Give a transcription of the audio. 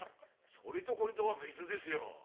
それとこれとは別ですよ。